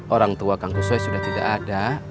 orang tua kang kushoi sudah tidak ada